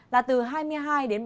là từ hai mươi hai đến ba mươi ba độ